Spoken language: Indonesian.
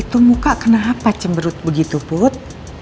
itu muka kenapa cemberut begitu put